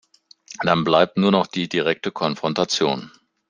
Dann bleibt nur noch die direkte Konfrontation.